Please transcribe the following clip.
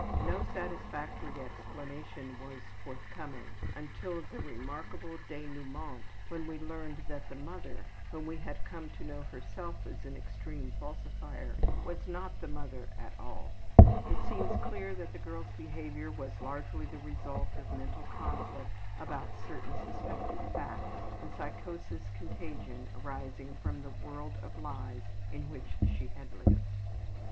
No satisfactory explanation was forthcoming until the remarkable denouement when we learned that the mother, whom we had come to know herself as an extreme falsifier, was not the mother at all. It seems clear that the girl's behavior was largely the result of mental conflict about certain suspected facts, and psychic contagion arising from the world of lies in which she had lived.